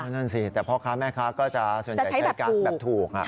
นั่นสิแต่พ่อค้าแม่ค้าก็จะส่วนใหญ่ใช้การ์แบบถูก